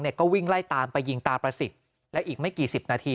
ก็วิ่งไล่ตามไปยิงตาประสิทธิ์และอีกไม่กี่สิบนาที